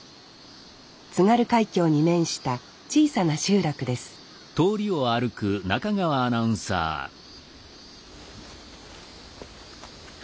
津軽海峡に面した小さな集落ですあ